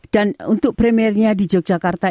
dan untuk premirnya di yogyakarta